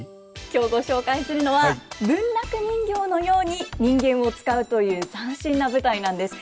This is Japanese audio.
今日ご紹介するのは文楽人形のように人間を遣うという斬新な舞台なんです。